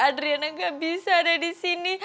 adriana nggak bisa ada di sini